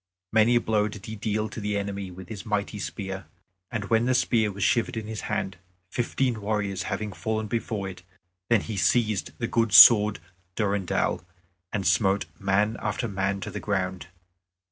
Many a blow did he deal to the enemy with his mighty spear, and when the spear was shivered in his hand, fifteen warriors having fallen before it, then he seized his good sword Durendal, and smote man after man to the ground.